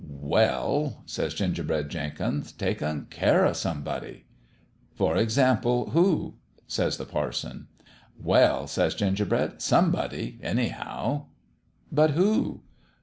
"' Well,' says Gingerbread Jenkins, ' takin' care o' somebody.' "' For example, who ?' says the parson. "' Well,' says Gingerbread, ' somebody, any how/ " But who